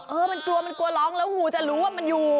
เออมันกลัวมันกลัวร้องแล้วหูจะรู้ว่ามันอยู่